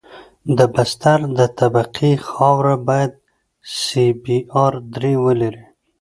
د بستر د طبقې خاوره باید سی بي ار درې ولري